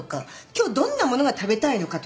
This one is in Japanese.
今日どんなものが食べたいのかとか。